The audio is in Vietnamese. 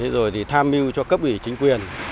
rồi thì tham mưu cho cấp ủy chính quyền